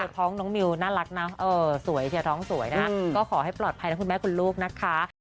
ท้องน้องมิวน่ารักนะสวยเฮียท้องสวยนะก็ขอให้ปลอดภัยนะคุณแม่คุณลูกนะคะ